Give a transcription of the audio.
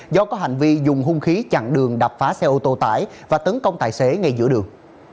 do có hành vi dùng hung khí chặn đường đập phá xe ô tô tải và tấn công tài xế ngay giữa đường